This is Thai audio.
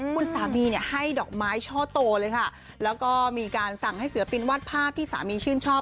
คุณสามีเนี่ยให้ดอกไม้ช่อโตเลยค่ะแล้วก็มีการสั่งให้ศิลปินวาดภาพที่สามีชื่นชอบ